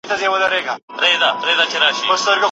آیا ته په خپلو زده کړو کې ستړی یې؟